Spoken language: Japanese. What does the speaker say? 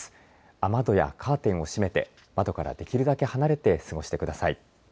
雨戸やカーテンを閉めて窓からできるだけ離れて過ごしてください。